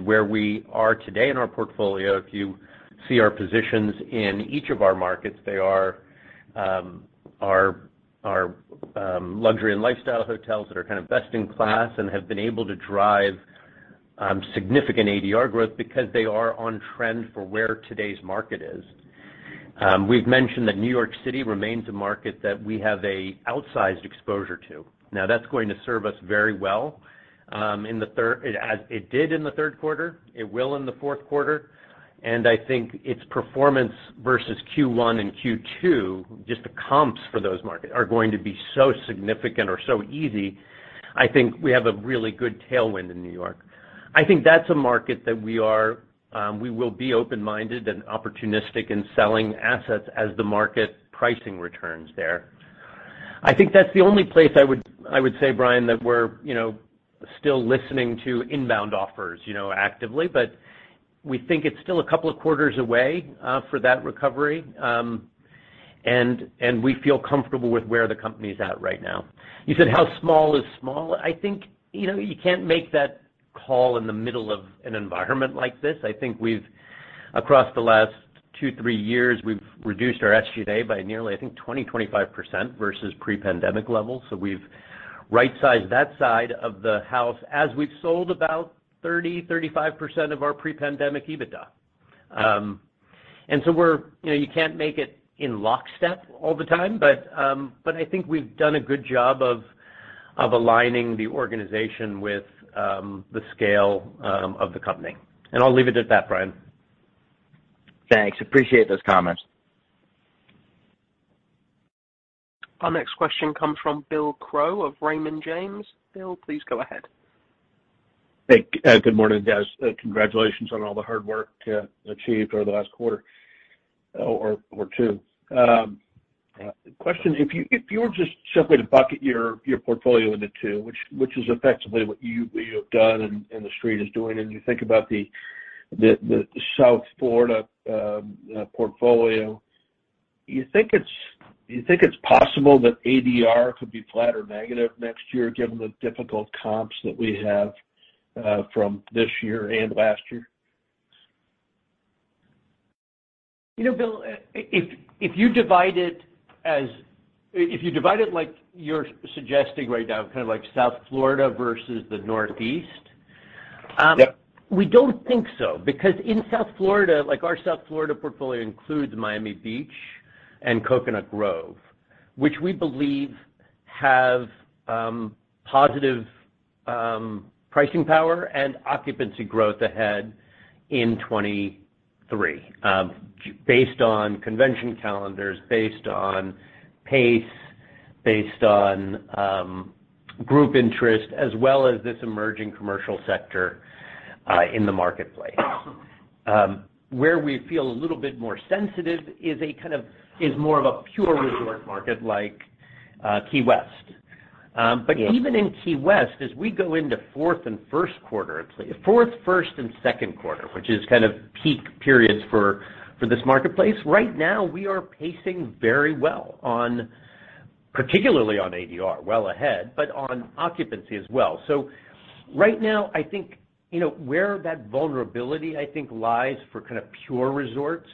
Where we are today in our portfolio, if you see our positions in each of our markets, they are our luxury and lifestyle hotels that are kind of best in class and have been able to drive significant ADR growth because they are on trend for where today's market is. We've mentioned that New York City remains a market that we have an outsized exposure to. Now, that's going to serve us very well in the third. As it did in the third quarter, it will in the fourth quarter. I think its performance versus Q1 and Q2, just the comps for those markets are going to be so significant or so easy. I think we have a really good tailwind in New York. I think that's a market that we will be open-minded and opportunistic in selling assets as the market pricing returns there. I think that's the only place I would say, Bryan, that we're, you know, still listening to inbound offers, you know, actively. But we think it's still a couple of quarters away, for that recovery. And we feel comfortable with where the company's at right now. You said how small is small? I think, you know, you can't make that call in the middle of an environment like this. I think we've across the last two to three years, we've reduced our SG&A by nearly, I think, 20%-25% versus pre-pandemic levels. We've right-sized that side of the house as we've sold about 30%-35% of our pre-pandemic EBITDA. We're, you know, you can't make it in lockstep all the time, but I think we've done a good job of aligning the organization with the scale of the company. I'll leave it at that, Brian. Thanks. Appreciate those comments. Our next question comes from Bill Crow of Raymond James. Bill, please go ahead. Hey, good morning, guys. Congratulations on all the hard work to achieve over the last quarter or two. Question, if you were just simply to bucket your portfolio into two, which is effectively what you've done and the Street is doing, and you think about the South Florida portfolio, do you think it's possible that ADR could be flat or negative next year given the difficult comps that we have from this year and last year? You know, Bill, if you divide it like you're suggesting right now, kind of like South Florida versus the Northeast. Yep We don't think so. Because in South Florida, like our South Florida portfolio includes Miami Beach and Coconut Grove, which we believe have positive pricing power and occupancy growth ahead in 2023, based on convention calendars, based on pace, based on group interest, as well as this emerging commercial sector in the marketplace. Where we feel a little bit more sensitive is more of a pure resort market like Key West. Yeah. Even in Key West, as we go into fourth, first, and second quarter, which is kind of peak periods for this marketplace, right now, we are pacing very well on, particularly on ADR well ahead, but on occupancy as well. Right now, I think, you know, where that vulnerability, I think, lies for kind of pure resorts,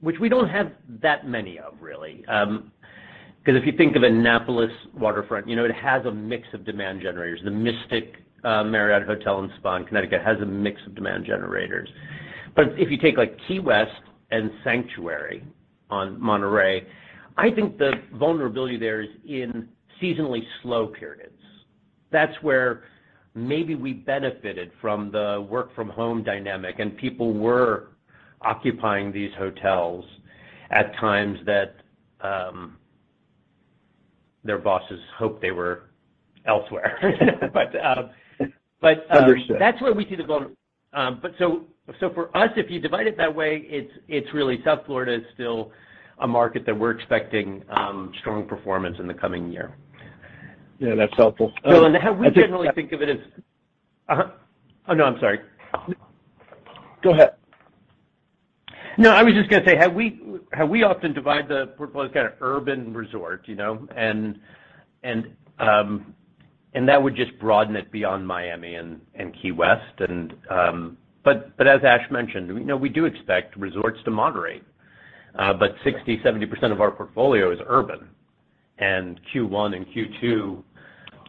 which we don't have that many of really, 'cause if you think of Annapolis Waterfront, you know, it has a mix of demand generators. The Mystic Marriott Hotel & Spa in Connecticut has a mix of demand generators. If you take like Key West and Sanctuary on Monterey, I think the vulnerability there is in seasonally slow periods. That's where maybe we benefited from the work from home dynamic, and people were occupying these hotels at times that their bosses hoped they were elsewhere. Understood For us, if you divide it that way, it's really South Florida is still a market that we're expecting strong performance in the coming year. Yeah, that's helpful. I just Bill, how we generally think of it as. Oh, no, I'm sorry. Go ahead. No, I was just gonna say, how we often divide the portfolio is kinda urban resort, you know. That would just broaden it beyond Miami and Key West. As Ash mentioned, you know, we do expect resorts to moderate. 60%-70% of our portfolio is urban, and Q1 and Q2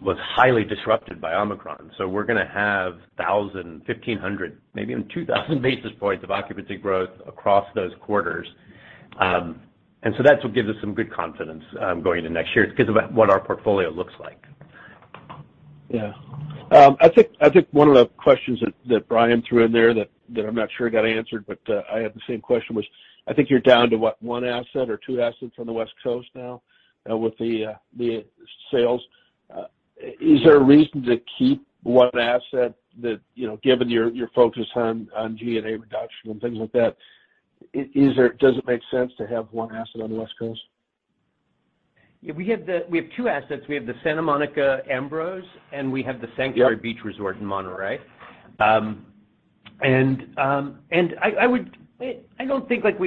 was highly disrupted by Omicron. We're gonna have 1,000, 1,500, maybe even 2,000 basis points of occupancy growth across those quarters. That's what gives us some good confidence going into next year. It's because of what our portfolio looks like. Yeah. I think one of the questions that Brian threw in there that I'm not sure got answered, but I had the same question, which I think you're down to what, one asset or two assets on the West Coast now, with the sales. Is there a reason to keep one asset that, you know, given your focus on G&A reduction and things like that, does it make sense to have one asset on the West Coast? We have two assets. We have The Ambrose Hotel, and we have The Sanctuary Beach Resort. Yep The Sanctuary Beach Resort in Monterey. I don't think, like,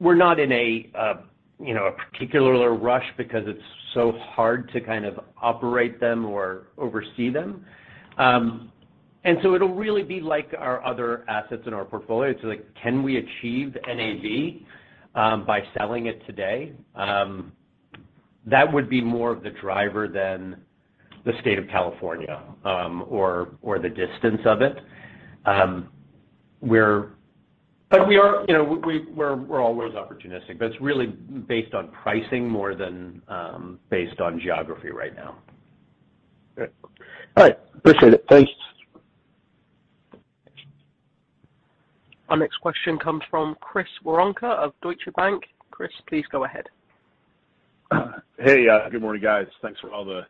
we're not in a, you know, a particular rush because it's so hard to kind of operate them or oversee them. It'll really be like our other assets in our portfolio, like, can we achieve NAV by selling it today? That would be more of the driver than the State of California, or the distance of it. We are, you know, we're always opportunistic, but it's really based on pricing more than based on geography right now. Great. All right. Appreciate it. Thanks. Our next question comes from Chris Woronka of Deutsche Bank. Chris, please go ahead. Hey, good morning, guys. Thanks for all the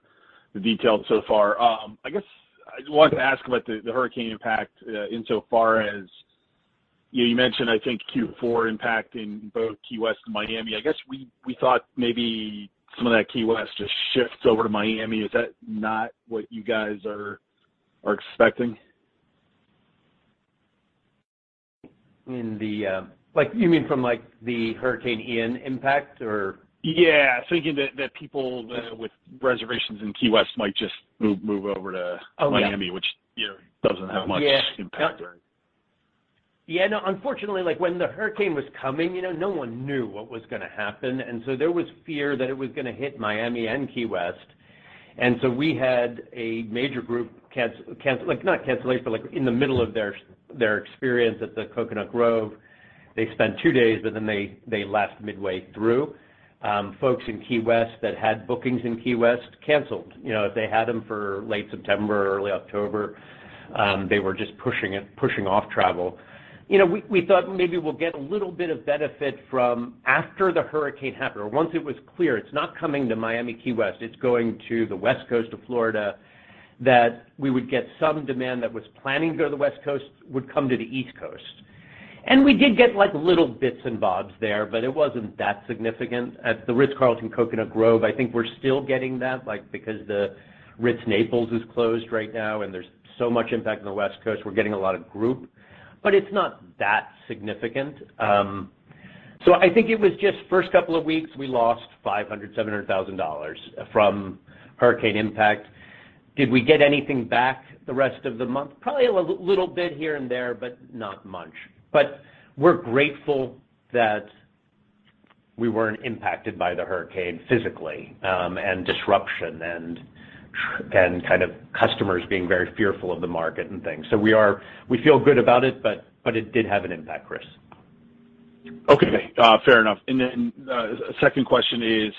details so far. I guess I wanted to ask about the hurricane impact, insofar as, you know, you mentioned, I think Q4 impact in both Key West and Miami. I guess we thought maybe some of that Key West just shifts over to Miami. Is that not what you guys are expecting? Like, you mean from like the Hurricane Ian impact or? Yeah. Thinking that people with reservations in Key West might just move over to Miami, which, you know, doesn't have much impact there. Yeah, no, unfortunately, like when the hurricane was coming, you know, no one knew what was gonna happen. There was fear that it was gonna hit Miami and Key West. We had a major group cancel, like, not cancellation, but like in the middle of their experience at the Coconut Grove, they spent two days, but then they left midway through. Folks in Key West that had bookings in Key West canceled. You know, if they had them for late September or early October, they were just pushing off travel. You know, we thought maybe we'll get a little bit of benefit from after the hurricane happened or once it was clear it's not coming to Miami, Key West, it's going to the West Coast of Florida, that we would get some demand that was planning to go to the West Coast would come to the East Coast. We did get, like, little bits and bobs there, but it wasn't that significant. At the Ritz-Carlton Coconut Grove, I think we're still getting that, like, because the Ritz-Carlton, Naples is closed right now, and there's so much impact on the West Coast. We're getting a lot of group, but it's not that significant. So I think it was just first couple of weeks, we lost $500,000-$700,000 from hurricane impact. Did we get anything back the rest of the month? Probably a little bit here and there, but not much. We're grateful that we weren't impacted by the hurricane physically, and disruption, kind of customers being very fearful of the market and things. We feel good about it, but it did have an impact, Chris. Okay, fair enough. Second question is,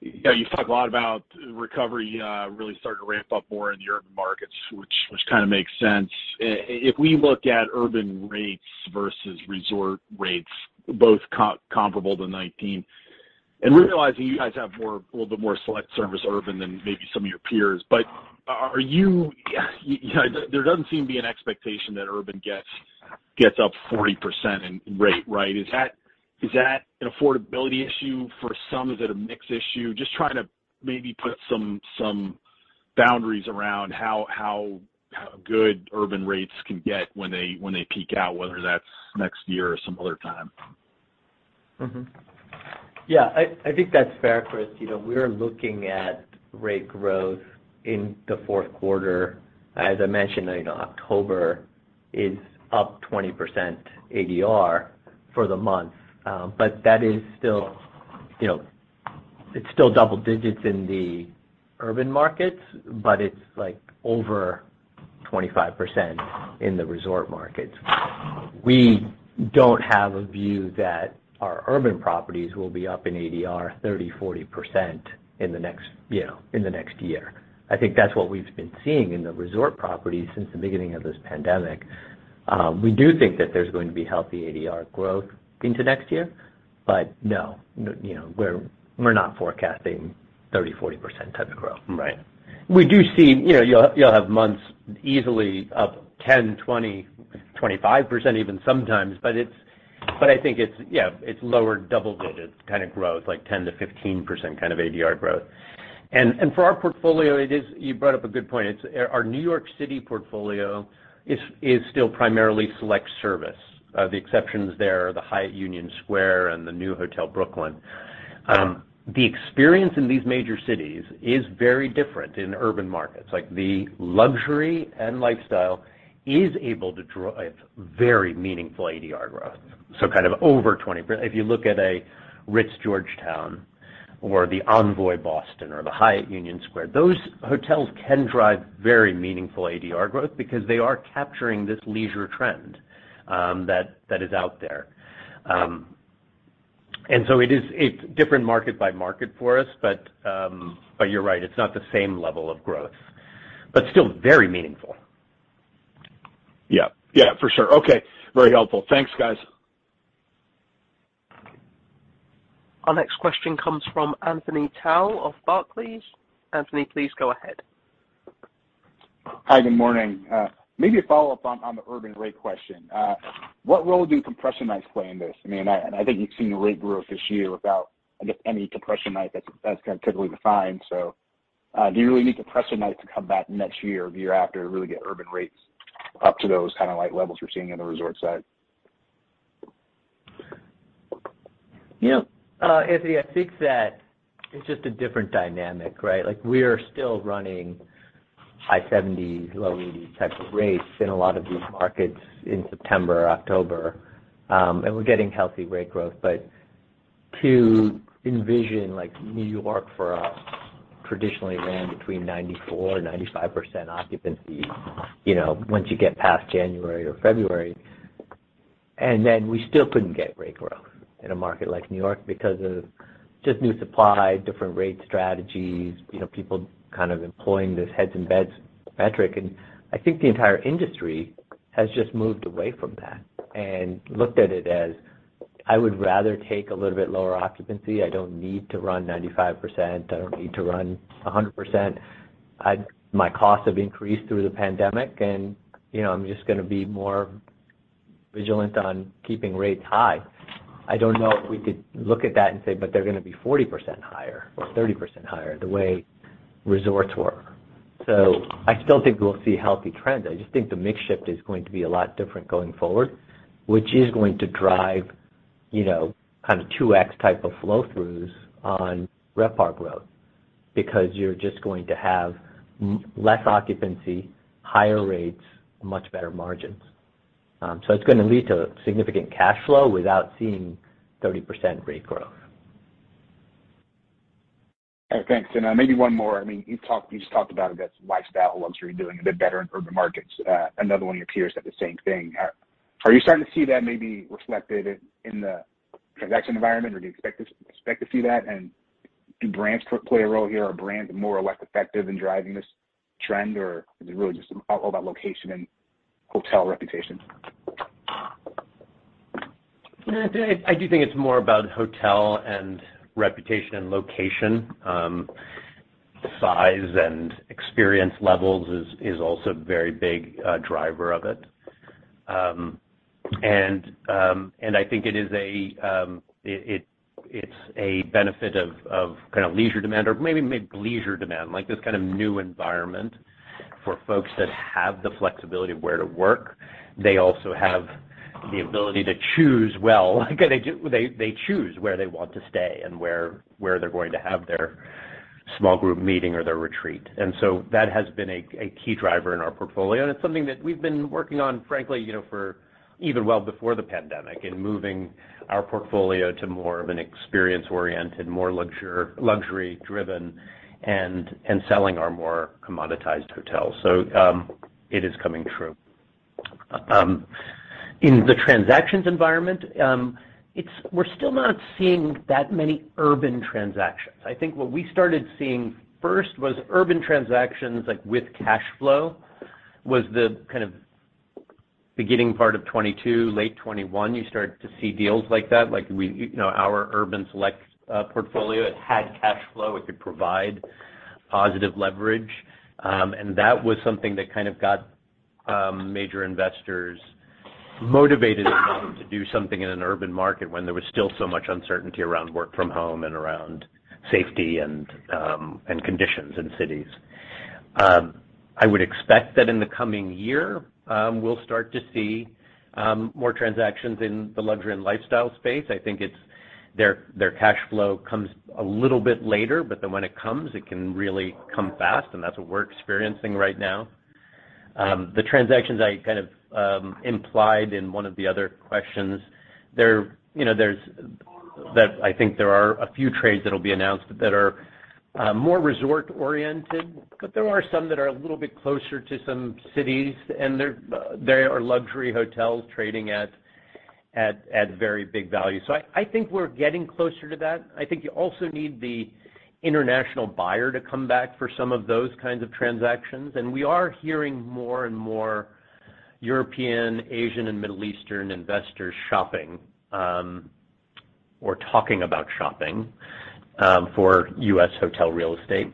you know, you talk a lot about recovery, really starting to ramp up more in the urban markets, which kinda makes sense. If we look at urban rates versus resort rates, both comparable to 2019, and realizing you guys have more, a little bit more select service urban than maybe some of your peers. There doesn't seem to be an expectation that urban gets up 40% in rate, right? Is that an affordability issue for some? Is it a mix issue? Just trying to maybe put some boundaries around how good urban rates can get when they peak out, whether that's next year or some other time. Yeah, I think that's fair, Chris. You know, we're looking at rate growth in the fourth quarter. As I mentioned, you know, October is up 20% ADR for the month, but that is still, you know, it's still double digits in the urban markets, but it's like over 25% in the resort markets. We don't have a view that our urban properties will be up in ADR 30%, 40% in the next year. I think that's what we've been seeing in the resort properties since the beginning of this pandemic. We do think that there's going to be healthy ADR growth into next year, but no, you know, we're not forecasting 30%, 40% type of growth. Right. We do see, you know, you'll have months easily up 10%, 20%, 25% even sometimes. I think it's, yeah, it's lower double-digit kind of growth, like 10%-15% kind of ADR growth. And for our portfolio, it is. You brought up a good point. It's our New York City portfolio is still primarily select service. The exceptions there are the Hyatt Union Square and the NU Hotel Brooklyn. The experience in these major cities is very different in urban markets. Like, the luxury and lifestyle is able to drive very meaningful ADR growth. Kind of over 20%. If you look at a Ritz-Carlton, Georgetown or The Envoy Hotel, Boston or the Hyatt Union Square, those hotels can drive very meaningful ADR growth because they are capturing this leisure trend, that is out there. And so it is. It's different market by market for us. You're right, it's not the same level of growth, but still very meaningful. Yeah. Yeah, for sure. Okay. Very helpful. Thanks, guys. Our next question comes from Anthony Powell of Barclays. Anthony, please go ahead. Hi, good morning. Maybe a follow-up on the urban rate question. What role do compression nights play in this? I mean, I think you've seen the rate growth this year without, I guess, any compression night that's kind of typically defined. Do you really need compression nights to come back next year or the year after to really get urban rates up to those kind of like levels we're seeing on the resort side? You know, Anthony, I think that it's just a different dynamic, right? Like, we are still running high-$70s, low-$80s type of rates in a lot of these markets in September, October. We're getting healthy rate growth. To envision, like, New York for us traditionally ran between 94%-95% occupancy, you know, once you get past January or February, and then we still couldn't get rate growth in a market like New York because of just new supply, different rate strategies. You know, people kind of employing this heads in beds metric. I think the entire industry has just moved away from that and looked at it as, I would rather take a little bit lower occupancy. I don't need to run 95%. I don't need to run 100%. My costs have increased through the pandemic and, you know, I'm just gonna be more vigilant on keeping rates high. I don't know if we could look at that and say, "But they're gonna be 40% higher or 30% higher," the way resorts were. I still think we'll see healthy trends. I just think the mix shift is going to be a lot different going forward, which is going to drive, you know, kind of 2x type of flow throughs on RevPAR growth. Because you're just going to have less occupancy, higher rates, much better margins. It's gonna lead to significant cash flow without seeing 30% rate growth. All right. Thanks. Maybe one more. I mean, you just talked about, I guess, lifestyle luxury doing a bit better in urban markets. Another one of your peers said the same thing. Are you starting to see that maybe reflected in the transaction environment or do you expect to see that? Do brands play a role here? Are brands more or less effective in driving this trend or is it really just all about location and hotel reputation? I do think it's more about hotel and reputation and location. Size and experience levels is also a very big driver of it. I think it's a benefit of kind of leisure demand or maybe bleisure demand, like this kind of new environment for folks that have the flexibility of where to work. They also have the ability to choose well. They choose where they want to stay and where they're going to have their small group meeting or their retreat. That has been a key driver in our portfolio, and it's something that we've been working on, frankly, you know, for even well before the pandemic in moving our portfolio to more of an experience-oriented, more luxury driven and selling our more commoditized hotels. It is coming true. In the transactions environment, we're still not seeing that many urban transactions. I think what we started seeing first was urban transactions like with cash flow was the kind of beginning part of 2022, late 2021, you started to see deals like that, you know, our urban select portfolio, it had cash flow. It could provide positive leverage. That was something that kind of got major investors motivated to do something in an urban market when there was still so much uncertainty around work from home and around safety and conditions in cities. I would expect that in the coming year, we'll start to see more transactions in the luxury and lifestyle space. I think their cash flow comes a little bit later, but then when it comes, it can really come fast, and that's what we're experiencing right now. The transactions I kind of implied in one of the other questions, there, you know, that I think there are a few trades that'll be announced that are more resort-oriented, but there are some that are a little bit closer to some cities, and they are luxury hotels trading at very big values. So I think we're getting closer to that. I think you also need the international buyer to come back for some of those kinds of transactions, and we are hearing more and more European, Asian, and Middle Eastern investors shopping or talking about shopping for U.S. hotel real estate.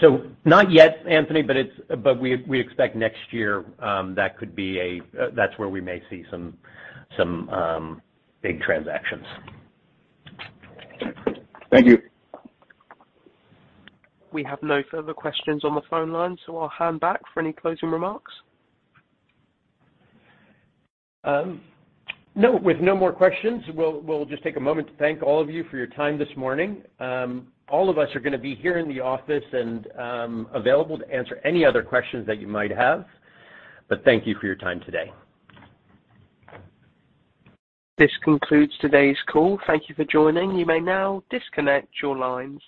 So not yet, Anthony, but we expect next year that's where we may see some big transactions. Thank you. We have no further questions on the phone line, so I'll hand back for any closing remarks. No. With no more questions, we'll just take a moment to thank all of you for your time this morning. All of us are gonna be here in the office and available to answer any other questions that you might have, but thank you for your time today. This concludes today's call. Thank you for joining. You may now disconnect your lines.